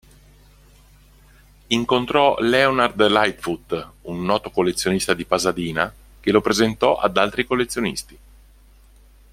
Incontrò Leonard Lightfoot, un noto collezionista di Pasadena che lo presentò ad altri collezionisti.